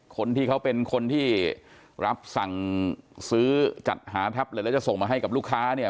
คนที่เขาเป็นคนที่รับสั่งซื้อจัดหาแท็บเลยแล้วจะส่งมาให้กับลูกค้าเนี่ย